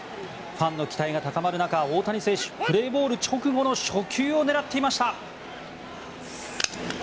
ファンの期待が高まる中大谷選手、プレーボール直後の初球を狙っていました。